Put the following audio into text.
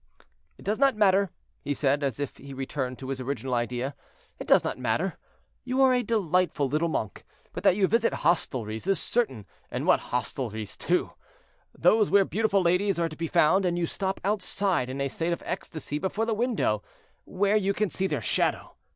"It does not matter," he said, as if he returned to his original idea; "it does not matter, you are a delightful little monk; but that you visit hostelries is certain, and what hostelries too! Those where beautiful ladies are to be found, and you stop outside in a state of ecstasy before the window, where you can see their shadow.